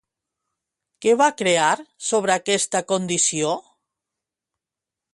Què va crear, sobre aquesta condició?